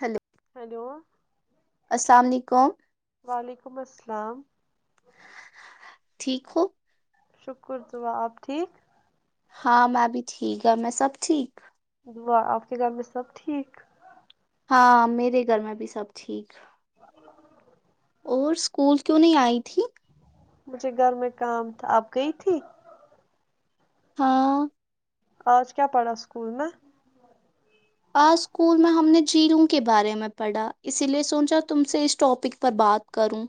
Hello hello السلام علیکم وعلیکم السلام ٹھیک ہو شکر صبا آپ ٹھیک ہاں میں بھی ٹھیک ہ میں سب ٹھیک و آپ کے گھر میں سب ٹھیک ہاں میرے گھر میں بھی سب ٹھیک اور سکول کیوں نہیں آئی تھی مجھے گھر میں کام تھا اپ گئی تھی [inaudible] [unintelligible] آج کیا پڑھا اسکول میں؟ آج اسکول میں ہم نے جیلوں کے بارے میں پڑھا اسی لیے سوچا تم سے اس ٹاپک پر بات کروں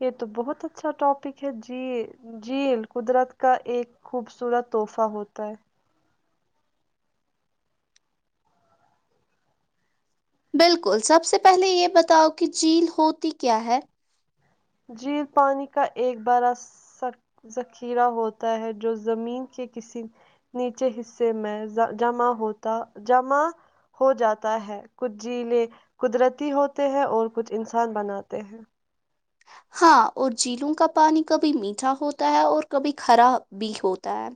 یہ تو بہت اچھا ٹاپک ہے جھیل جھیل قدرت کا ایک خوبصورت تحفہ ہوتا ہے بالکل سب سے پہلے یہ بتاؤ کہ جھیل ہوتی کیا ہے جھیل پانی کا ایک بڑا ذخیرہ ہوتا ہے جو زمین کے کسی نیچے حصے میں جمع ہوتا جمع ہو جاتا ہے کچھ جھیلیں قدرتی ہوتے ہیں اور کچھ انسان بناتے ہیں ہاں اور جیلوں کا پانی کبھی میٹھا ہوتا ہے اور کبھی کرا بھی ہوتا ہے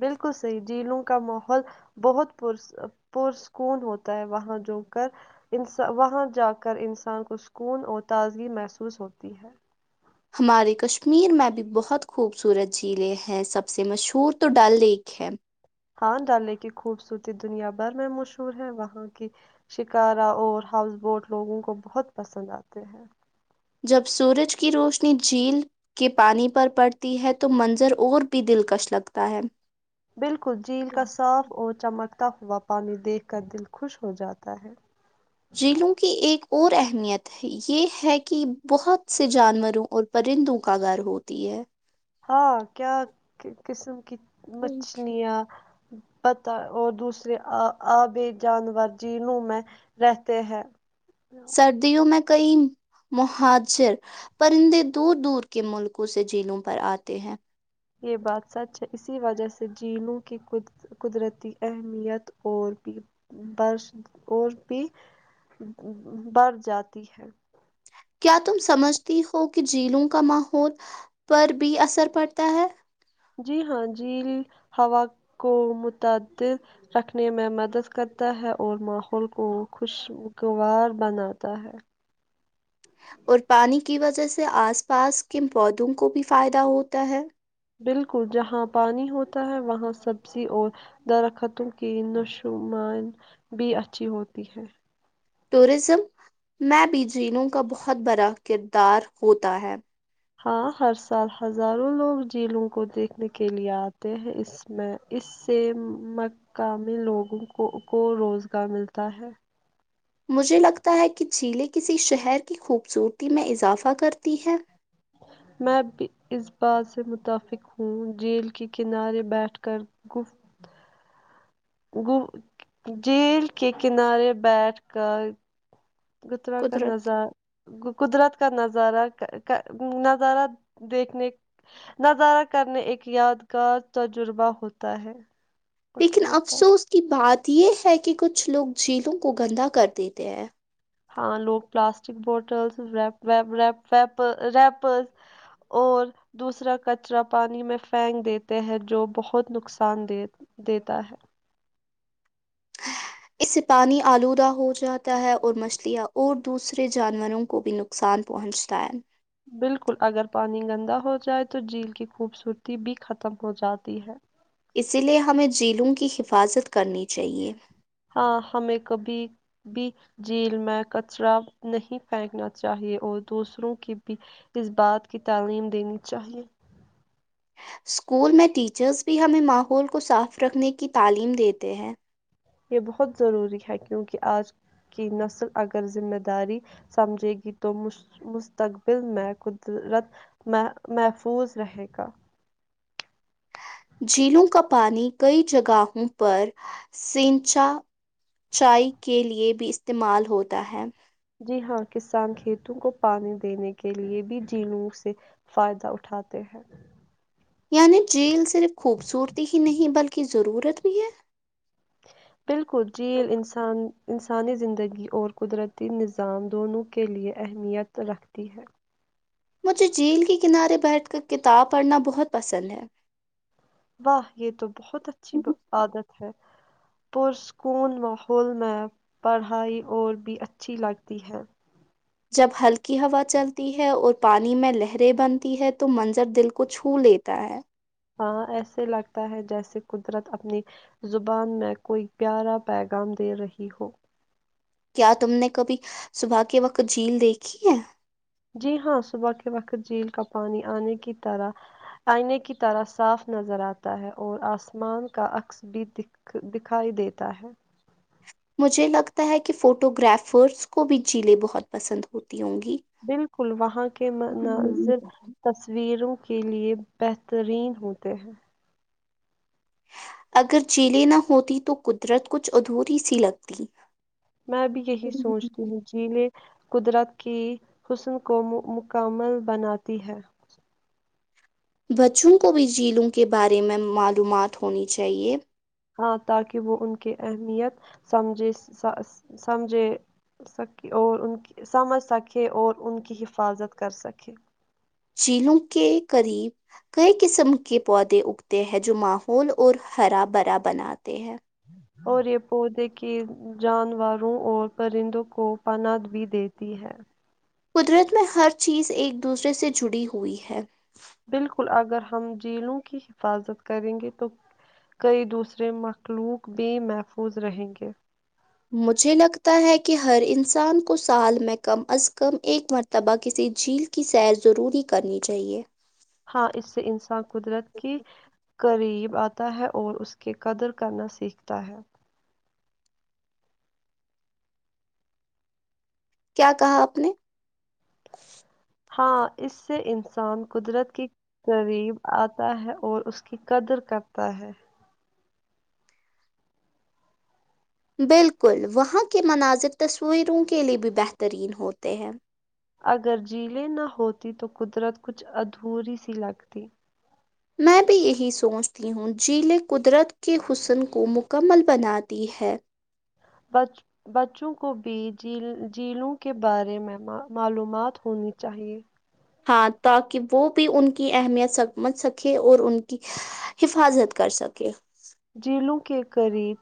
بالکل صحی جھیلوں کا ماحول بہت پرسکون ہوتا ہے وہاں جااک انسان کو سکون اور تازگی محسوس ہوتی ہے ہمارے کشمیر میں بھی بہت خوبصورت جھیلیں ہیں سب سے مشہور تو ڈل لیک ہے ہان ڈالے کی خوبصورتی دنیا بھر میں مشہور ہے وہاں کی شکارا اور ہاؤس بوٹ لوگوں کو بہت پسند آتے ہیں جب سورج کی روشنی جھیل کے پانی پر پڑتی ہے تو منظر اور بھی دلکش لگتا ہے بالکل جھیل کا صاف اور چمک تھا تا ہوا پانی دیکھ کر دل خوش ہو جاتا ہے جیلوں کی ایک اور اہمیت ہے یہ ہے کہ بہت سے جانوروں اور پرندوں کا گھر ہوتی ہے ہاں کیا قسم کی مچھلیاں پتا اور دوسرے آ آبے جانور جنوں میں رہتے ہیں سردیوں میں کئی مہاجر پرندے دور دور کے ملکوں سے جیلوں پر آتے ہیں یہ بات سچ ہے اسی وجہ سے جینوں کی قدرتی اہمیت اور اور بھی بڑھ جاتی ہے کیا تم سمجھتی ہو کہ جیلوں کا ماحول پر بھی اثر پڑتا ہے جی ہاں جھیل ہوا کو متعدد رکھنے میں مدد کرتا ہے اور ماحول کو خوشگوار بناتا ہے اور پانی کی وجہ سے آس پاس کے پودوں کو بھی فائدہ ہوتا ہے بالکل جہاں پانی ہوتا ہے وہاں سبزی اور درختوں کی نشمن بھی اچھی ہوتی ہے ٹورزم میں بیجینوں کا بہت بڑا کردار ہوتا ہے ہاں ہر سال ہزاروں لوگ جھیلوں کو دیکھنے کے لیئے آتے ہیں اس سے مقامی لوگوں کو روزگار ملتا ہے مجھے لگتا ہے کہ جھیلیں کسی شہر کی خوبصورتی میں اضافہ کرتی ہیں میں بھی اس بات سے متفق ہوں جیل کے کنارے بیٹھ کر گفت جیل کے کنارے بیٹھ کر گترا کا قدرت نظارہ قدرت کا نظارہ نظہ نظارہ دیکھنے نظارہ کرنے ایک یادگار تجربہ ہوتا ہے لیکن افسوس کی بات یہ ہے کہ کچھ لوگ جھیلوں کو گندا کر دیتے ہیں ہاں لوگ پلاسٹک بوٹلز ریپز اور دوسرا کچرا پانی میں پھینک دیتے ہیں جو بہت نقصان دیتا ہے اس سے پانی آلودہ ہو جات ہے اور مچھلیاں اور دوسرے جانوروں کو بھی نقصان پہنچتا ہے بالکل اگر پانی گندا ہو جائے تو جھیل کی خوبصورتی بھی ختم ہو جاتی ہے اسی لیے ہمیں جیلوں کی حفاظت کرنی چاہیے ہاں ہمیں کبھی بھی جیل میں کچرا نہیں پھینکنا چاہیئے اور دوسروں کی بھی اس بات کی تعلیم دینی چاہیئے اسکول میں ٹیچرس بھی ہمیں ماحول کو صاف رکھنے کی تعلیم دیتے ہیں یہ بہت ضروری ہے کیونکہ آج کی نسل اگر ذمہ داری سمجھے گی تو مستقبل میں قدرت محفوظ رہے گا جلوں کا پانی کئی جگہوں پر سنچا چائی کے لیے بھی استعمال ہوتا ہے جی ہاں کسان کھیتوں کو پانی دینے کے لیے بھی جینوں سے فائدہ اٹھاتے ہیں یعنی جھیل صرف خوبصورتی ہی نہیں بلکہ ضرورت بھی ہے بالکل جیل انسان انسانی زندگی اور قدرتی نظام دونوں کے لیے اہمیت رکھتی ہے مجھے جھیل کے کنارے بیٹھ کر کتاب پڑھنا بہت پسند ہے واہ یہ تو بہت اچھی عادت پرسکون ماحول میں پڑھائی اور بھی اچھی لگتی ہے جب ہلکی ہوا چلتی ہے اور پانی میں لہریں بنتی ہے تو منظر دل کو چھو لیتا ہے ہاں ایسے لگتا ہے جیسے قدرت اپنی زبان میں کوئی پیارا پیغام دے رہی ہو کیا تم نے کبھی صبح کے وقت جھیل دیکھی ہے جی ہاں صبح کے وقت جھیل کا پانی آئنے کی طرح صاف نظر آتا ہے اور آسمان کا عکس بھی دکھائی دیتا ہے مجھے لگتا ہے کہ فوٹو گرافرس کو بھی جلے بہت پسند ہوتے بالکل وہاں کے گی مناظر تصویروں کے لیے بہترین ہوتے ہیں اگر چیلیں نہ ہوتی تو قدرت کچھ ادھوری ہی سی لگتی میں بھی یہی سوچتی ہوں جیلیں قدرت کی حسن کو مکمل بناتی ہے بچوں کو بھی جیلوں کے بارے میں معلومات ہونی چاہیے ہاں تاکہ وہ ان کی اہمیت سمجھ سکیں اور ان کی حفاظت کر سکیں شیلوں کہ قریب کئی قسم کے پودے اگتے ہیں جو ماحول اور ہرا بھرا بناتے ہیں اور یہ پودے کے جانوروں اور پرندوں کو پاند بھی دیتی ہے قدرت میں ہر چیز ایک دوسرے سے جڑی ہوئی ہے بالکل اگر ہم جیلوں کی حفاظت کریں گے تو کئی دوسرے مخلوق بھی محفوظ رہیں گے مجھے لگتا ہے کہ ہر انسان کو سال میں کم از کم ایک مرتبہ کسی جھیل کی سیر ضروری کرنی چاہیئے ہاں اس سے انسان قدرت کی قریب آتا ہے اور اس کی قدر کرنا سیکھتا ہے کیا کہا آپ نے ہاں اس سے انسان قدرت کی قریب آتا ہے اور اس کی قدر کرتا ہے بالکل وہاں کے مناظر تصویروں کے لیے بھی بہترین ہوتے ہیں اگر جیلیں نہ ہوتی تو قدرت کچھ ادھوری سی لگتی میں بھی یہی سوچتی ہوں جیلیں قدرت کے حسن کو مکمل بناتی ہے بچوں کو بھی جیلوں کے بارے میں معلومات ہونی چاہئے ہاں تاکہ وہ بھی ان کی اہمیت سمجھ سکے اور ان کی حفاظت کر سکے جھیلوں کے قریب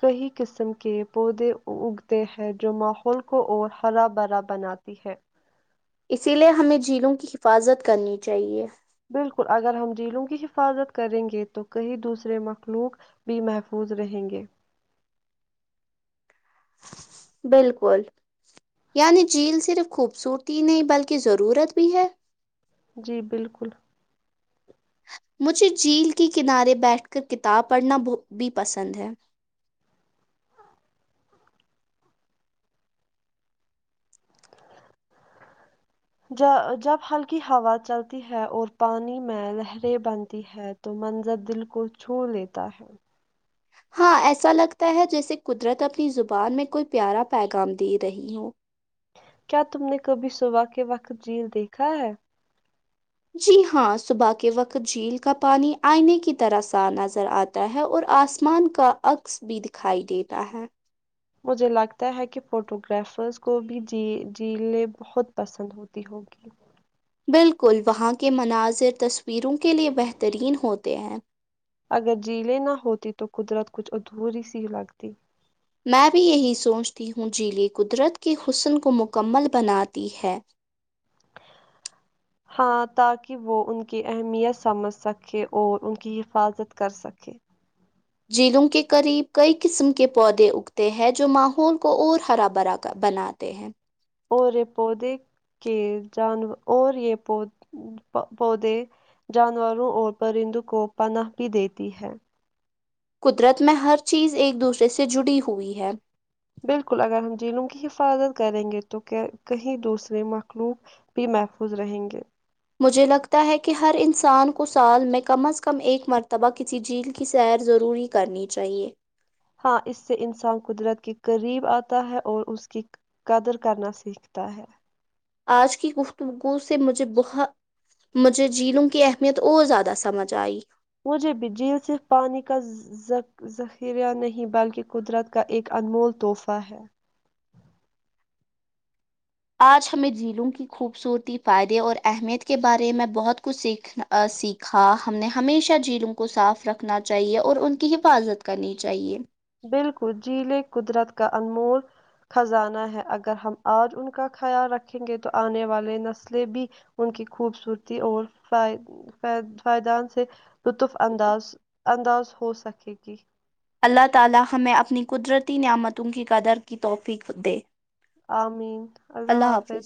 کئی قسم کے پودے اگتے ہیں جو ماحول کو اور ہرا بھرا بناتی ہے اسی لیے ہمیں جھیلوں کی حفاظت کرنی چاہیے بالکل اگر ہم جھیلوں کی حفاظت کریں گے تو کہیں دوسرے مخلوق بھی محفوظ رہیں گے بالکل یعنی جھیل صرف خوبصورتی نہیں بلکہ ضرورت بھی ہے جی بالکل مجھے جھیل کے کنارے بیٹھ کر کتاب پڑھنا بھی پسند ہے ج جب ہلکی ہوا چلتی ہے اور پانی میں لہریں بنتی ہے تو منظر دل کو چھو لیتا ہے ہاں ایسا لگتا ہے جیسے قدرت اپنی زبان میں کوئی پیارا پیغام دے رہی ہو کیا تم نے کبھی صبح کے وقت جیل دیکھا ہے جی ہاں صبح کے وقت جھیل کا پانی آئینے کی طرح سا نظر آتا ہے اور آسمان کا عکس بھی دکھائی دیتا ہے مجھے لگتا ہے کہ فوٹو گگرافرز کو بھی جیلیں بہت پسند ہوتی ہوگی بالکل وہاں کے مناظر تصویروں کے لئے بہترین ہوتے ہیں اگر جھیلیں نہ ہوتی تو قدرت کچھ ادھوری سی لگتی میں بھی یہی سوچتی ہوں جیلے قدرت کے حسن کو مکمل بناتی ہے ہاں تاکہ وہ ان کی اہمیت سمجھ سکے اور ان کی حفاظت کر سکے جیلوں کے قریب کئی قسم کے پودے اگتے ہیں جو ماحول کو اور ہرا بھرا بناتے ہیں اور یہ پودے کے جان اور یہ پودے جانوروں اور پرندوں کو پناہ بھی دیتی ہے قدرت میں ہر چیز ایک دوسرے سے جڑی ہوئی ہے بالکل اگر ہم جیلوں کی حفاظت کریں گے تو کہیں دوسرے مخلوب بھی محفوظ رہیں گے مجھے لگتا ہے کہ ہر انسان کو سال میں کم از کم ایک مرتبہ کسی جھیل کی سیر ضروری کرنی چاہیے ہاں اس سے انسان قدرت کے قریب آتا ہے اور اس کی قدر کرنا سیکھتا ہے آج کی گفتگو سے مجھے بہت مجھے جیلوں کی اہمیت اور زیادہ سمجھ آئی مجھے بھی جیل صرف پانی کا ذخیرہ نہیں بلکہ قدرت کا ایک انمول تحفہ ہے آج ہمیں جھیلوں کی خوبصورتی فائدے اور اہمیت کے بارے میں بہت کچھ سیکھ سیکھا ہم نے ہمیشہ جھیلوں کو صاف رکھنا چاہیے اور ان کی حفاظت کرنی چاہیے بالکل جھیل قدرت کا انمول خزانہ ہے اگر ہم آج ان کا خیال رکھیں گے تو آنے والی نسلیں بھی ان کی خوبصورتی اور فائدان سے لطف انداز ہو سکے گی [unintelligible] آمین اللہ حافظ